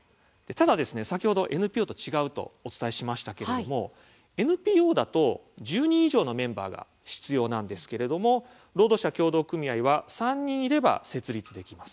ただ先ほどＮＰＯと違うと言いましたが、ＮＰＯだと１０人以上のメンバーが必要なんですが労働者協同組合は３人いれば設立できます。